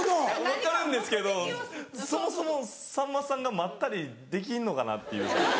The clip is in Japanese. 分かるんですけどそもそもさんまさんがまったりできんのかなっていう。